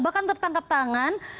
bahkan tertangkap tangan